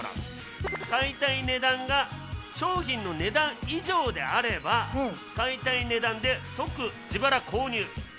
買いたい値段が商品の値段以上であれば買いたい値段で即自腹購入。